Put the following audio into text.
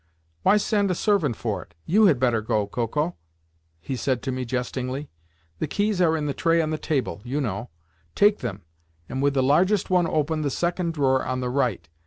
"Why send a servant for it? You had better go, Koko," he said to me jestingly. "The keys are in the tray on the table, you know. Take them, and with the largest one open the second drawer on the right.